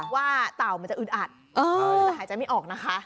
ว่าเต่ามันจะอึดอัดแต่หายใจไม่ออกนะคะ